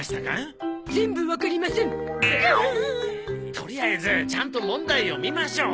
とりあえずちゃんと問題読みましょう！